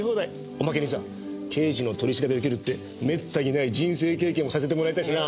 おまけにさ刑事の取り調べ受けるってめったにない人生経験もさせてもらえたしな。